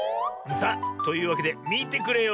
さあというわけでみてくれよ。